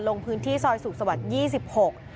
ลงพื้นที่ซอยสุขสวรรค์๒๖